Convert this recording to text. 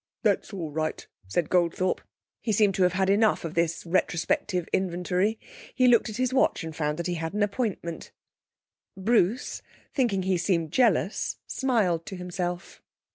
'That's all right,' said Goldthorpe. He seemed to have had enough of this retrospective inventory. He looked at his watch and found he had an appointment. Bruce, thinking he seemed jealous, smiled to himself.